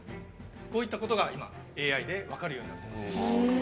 こういったことが今ＡＩで分かるようになってます。